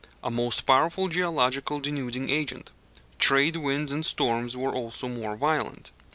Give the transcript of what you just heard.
A most powerful geological denuding agent. Trade winds and storms were also more violent.